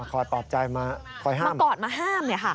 มากอดตอบใจมากอดมาห้าม